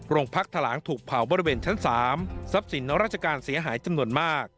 โรงพักถลางถูกเผาบริเวณชั้น๓ทรัพย์สินราชการเสียหายจำนวนมาก